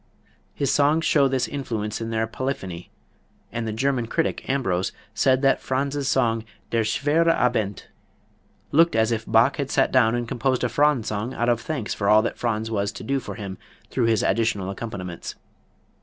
His songs show this influence in their polyphony, and the German critic, Ambros, said that Franz's song, "Der Schwere Abend," looked as if Bach had sat down and composed a Franz song out of thanks for all that Franz was to do for him through his additional accompaniments.